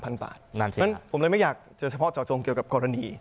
เพราะฉะนั้นผมเลยไม่อยากจะเฉพาะเจาะจงเกี่ยวกับกรณี